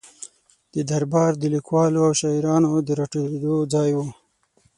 د ده دربار د لیکوالو او شاعرانو د را ټولېدو ځای و.